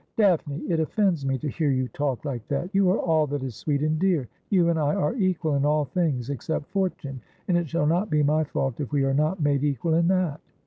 ' Daphne, it offends me to hear you talk like that. You are all that is sweet and dear. You and I are equal in all things, except fortune : and it shall not be my fault if we are not made equal in that.'